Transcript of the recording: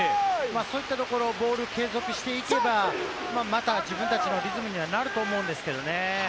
そういったところ、ボールを継続していけば、また、自分たちのリズムにはなると思うんですけれどね。